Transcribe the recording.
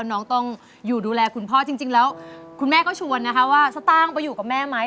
น้องต้องอยู่ดูแลคุณพ่อจริงแล้วคุณแม่ก็ชวนนะคะว่าสตางค์ไปอยู่กับแม่ไหม